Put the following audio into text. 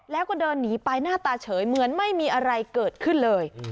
แล้วก็เดินหนีไปหน้าตาเฉยเหมือนไม่มีอะไรเกิดขึ้นเลย